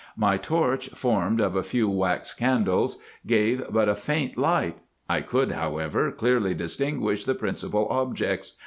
My torch, formed of a few wax candles, gave but a faint light ; I could, however, clearly distinguish the principal objects.